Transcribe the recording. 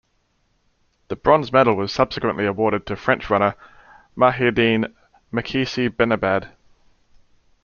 The bronze medal was subsequently awarded to French runner Mahiedine Mekhissi-Benabbad.